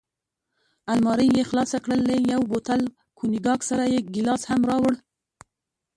المارۍ یې خلاصه کړل، له یو بوتل کونیګاک سره یې ګیلاس هم راوړ.